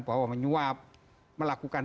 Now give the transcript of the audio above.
bahwa menyuap melakukan